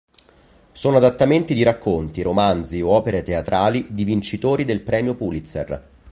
Sono adattamenti di racconti, romanzi o opere teatrali di vincitori del Premio Pulitzer.